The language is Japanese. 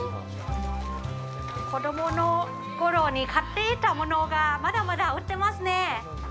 子供のころに買っていたものがまだまだ売ってますね。